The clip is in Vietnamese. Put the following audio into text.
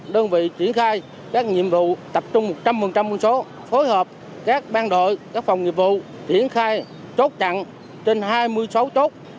đơn vị triển khai các nhiệm vụ tập trung một trăm linh quân số phối hợp các ban đội các phòng nghiệp vụ triển khai chốt chặn trên hai mươi sáu chốt